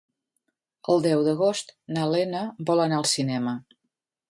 El deu d'agost na Lena vol anar al cinema.